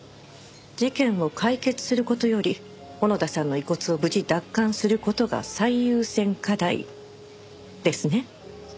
事件を解決する事より小野田さんの遺骨を無事奪還する事が最優先課題。ですね？